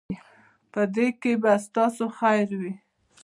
په دې کې به ستاسو خیر وي.